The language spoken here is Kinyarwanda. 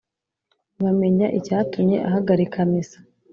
bamenya icyatumye ahagarika misa.